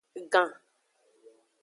Gan.